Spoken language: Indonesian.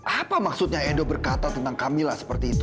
apa maksudnya edo berkata tentang kamila seperti itu